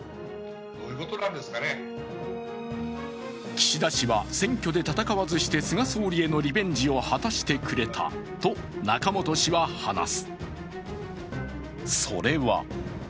岸田氏は選挙で戦わずして菅総理へのリベンジを果たしてくれたと中本氏は話す。